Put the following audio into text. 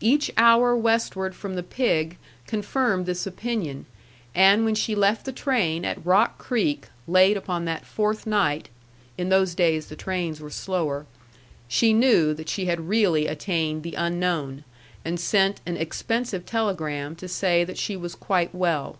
Each hour westward from the pig confirmed this opinion, and when she left the train at Rock Creek, late upon that fourth night, in those days the trains were slower, she knew that she had really attained the unknown, and sent an expensive telegram to say that she was quite well.